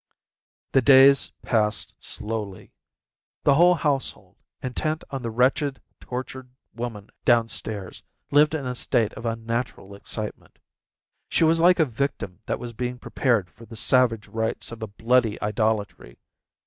The days passed slowly. The whole household, intent on the wretched, tortured woman downstairs, lived in a state of unnatural excitement. She was like a victim that was being prepared for the savage rites of a bloody idolatry.